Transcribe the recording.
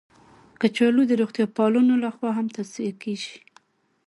کچالو د روغتیا پالانو لخوا هم توصیه کېږي